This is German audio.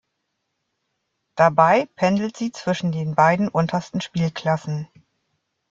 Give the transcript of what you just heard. Dabei pendelt sie zwischen den beiden untersten Spielklassen.